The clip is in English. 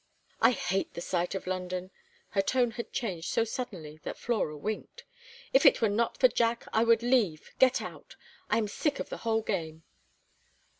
"I hate the sight of London!" Her tone had changed so suddenly that Flora winked. "If it were not for Jack I would leave get out. I am sick of the whole game."